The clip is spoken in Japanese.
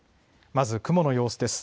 まず雲の様子です。